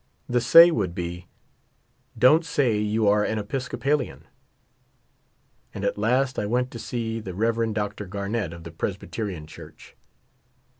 The say would be :" Don't say you are an Episcopalian." And at last I went to see the Rev. Dr. Garnet of the Presbyterian Church.